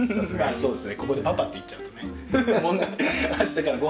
そうですね。